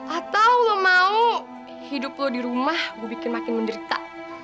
atau lo mau hidup lo di rumah gue bikin makin menderita